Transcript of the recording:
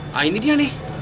nah ini dia nih